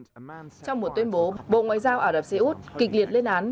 trong một tuyên bố bộ ngoại giao ả rập xê út kịch liệt lên án